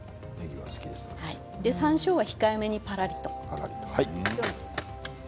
さんしょうは控えめに、パラリと。